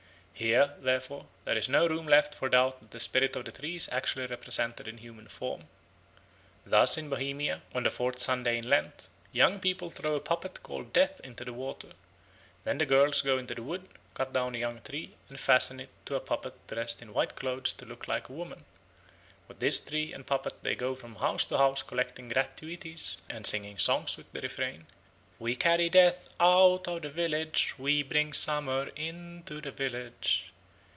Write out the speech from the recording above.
Here, therefore, there is no room left for doubt that the spirit of the tree is actually represented in human form. Thus in Bohemia, on the fourth Sunday in Lent, young people throw a puppet called Death into the water; then the girls go into the wood, cut down a young tree, and fasten to it a puppet dressed in white clothes to look like a woman; with this tree and puppet they go from house to house collecting gratuities and singing songs with the refrain: "We carry Death out of the village, We bring Summer into the village."